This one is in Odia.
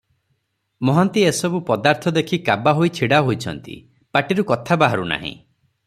ମହାନ୍ତି ଏ ସବୁ ପଦାର୍ଥ ଦେଖି କାବା ହୋଇ ଛିଡ଼ା ହୋଇଛନ୍ତି, ପାଟିରୁ କଥା ବାହାରୁ ନାହିଁ ।